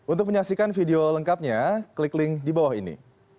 untuk menyaksikan video lengkapnya klik link di bawah ini